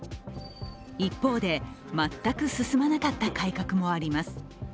一方で、全く進まなかった改革もあります。